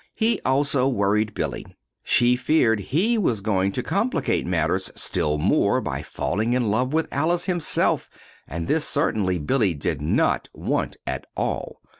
He, also, worried Billy. She feared he was going to complicate matters still more by falling in love with Alice, himself; and this, certainly, Billy did not want at all.